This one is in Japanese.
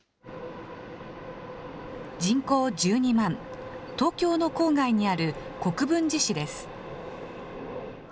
人口１２万、東京の郊外にある国分寺市です。